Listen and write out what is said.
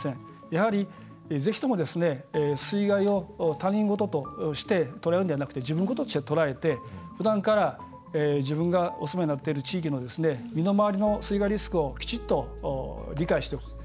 やはり、ぜひとも水害を他人事として捉えるのではなくて自分事として捉えてふだんから、自分がお住まいになっている地域の身の回りの水害リスクをきちっと理解してほしい。